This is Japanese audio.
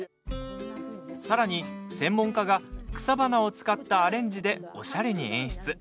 さらに、専門家が草花を使ったアレンジでおしゃれに演出。